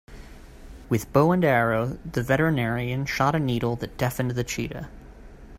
With bow and arrow the veterinarian shot a needle that deafened the cheetah.